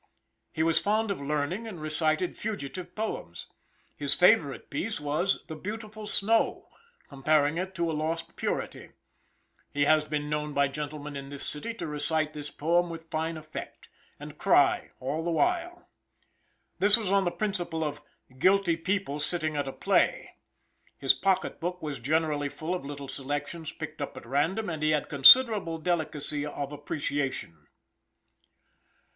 He was fond of learning and reciting fugitive poems. His favorite piece was "The Beautiful Snow" comparing it to a lost purity. He has been known by gentlemen in this city to recite this poem with fine effect, and cry all the while. This was on the principle of "guilty people sitting at a play." His pocket book was generally full of little selections picked up at random, and he had considerable delicacy of appreciation.